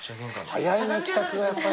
早いね帰宅がやっぱり。